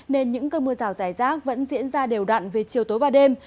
nên những cơn mưa rào rải rác vẫn diễn ra đều đặn về chiều tối và đêm